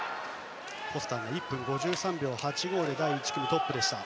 フォスターの１分５３秒８５で第１組トップでした。